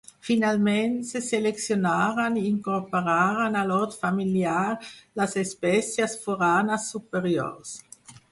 Finalment, se seleccionaren i incorporaren a l'hort familiar les espècies foranes superiors.